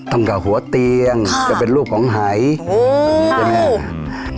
ตรงกับหัวเตียงค่ะเป็นรูปของไหยอ่อก็ใช่ไหมอ่อ